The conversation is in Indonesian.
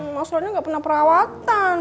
masalahnya gak pernah perawatan